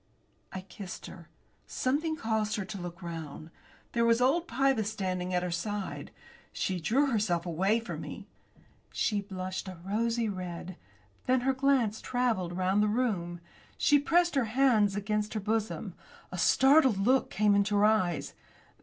I kissed her. Something caused her to look round. There was old Pybus standing at her side. She drew herself away from me. She blushed a rosy red; then her glance travelled round the room. She pressed her hands against her bosom. A startled look came into her eyes.